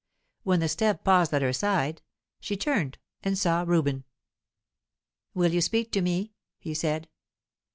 When the step paused at her side, she turned and saw Reuben. "Will you speak to me?" he said.